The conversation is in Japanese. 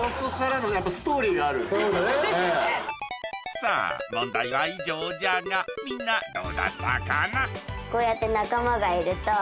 さあ問題は以上じゃがみんなどうだったかな？